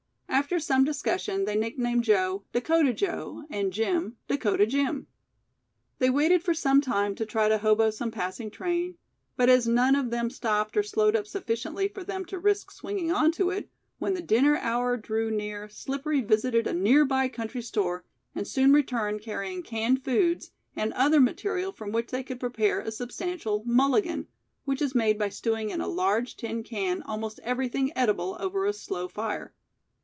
After some discussion they nicknamed Joe, "Dakota Joe" and Jim, "Dakota Jim." They waited for some time to try to hobo some passing train, but as none of them stopped or slowed up sufficiently for them to risk swinging onto it, when the dinner hour drew near, Slippery visited a nearby country store and soon returned carrying canned foods and other material from which they could prepare a substantial "Mulligan", which is made by stewing in a large tin can almost everything edible over a slow fire.